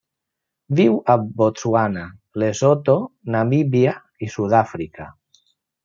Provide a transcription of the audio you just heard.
Viu a Botswana, Lesotho, Namíbia i Sud-àfrica.